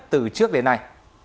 từ trước đến nay